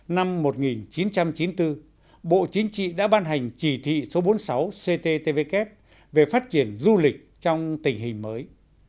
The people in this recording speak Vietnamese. năm một nghìn chín trăm chín mươi bốn bộ chính trị đã ban hành chỉ thị số bốn mươi sáu cttvk về phát triển du lịch trong tình hình mới